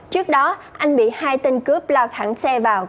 trước đó anh bị hai tên cướp lao thẳng xe vào